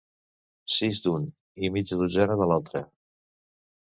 Sis d'un, i mitja dotzena de l'altre.